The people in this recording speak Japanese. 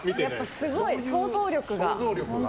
すごい、想像力が。